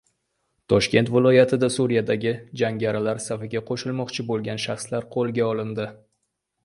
Toshkent viloyatida Suriyadagi jangarilar safiga qo‘shilmoqchi bo‘lgan shaxslar qo‘lga olindi